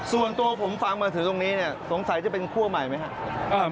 ส่วนตัวผมฟังมาถึงตรงนี้เนี่ยสงสัยจะเป็นคั่วใหม่ไหมครับ